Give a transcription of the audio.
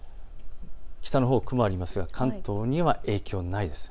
北のほう、雲がありますが関東には影響ないです。